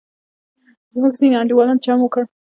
زموږ ځینې انډیوالان چم وکړ.